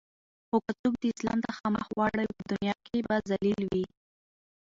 خو که څوک د اسلام څخه مخ واړوی په دنیا کی به ذلیل وی